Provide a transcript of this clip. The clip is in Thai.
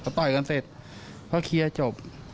ต่อยกันเสร็จก็เคลียร์จบ